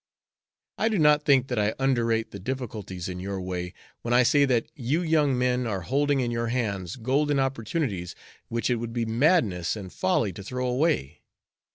I do not think that I underrate the difficulties in your way when I say that you young men are holding in your hands golden opportunities which it would be madness and folly to throw away.